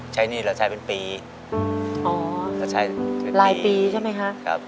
หนี้เราใช้เป็นปีอ๋อก็ใช้รายปีใช่ไหมคะครับ